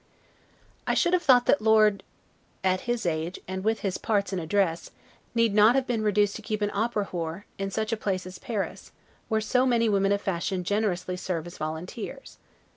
I should have thought that Lord , at his age, and with his parts and address, need not have been reduced to keep an opera w e, in such a place as Paris, where so many women of fashion generously serve as volunteers.